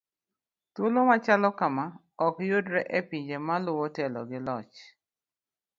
thuolo machalo kama okyudre e pinje maluwo telo gi loch